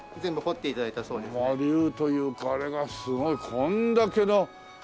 竜というかあれがすごいこれだけの。